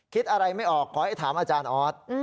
คิดอะไรไม่ออกขอให้ถามอาจารย์ออส